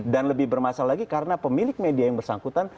dan lebih bermasalah lagi karena pemilik media yang bersangkutan